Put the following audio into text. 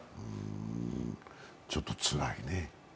ちょっとつらいね。